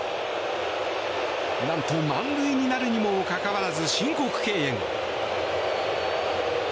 何と満塁になるにもかかわらず申告敬遠。